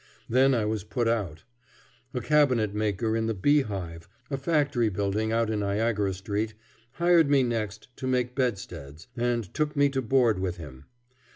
Then I was put out. A cabinet maker in the "Beehive," a factory building out in Niagara Street, hired me next to make bedsteads, and took me to board with him.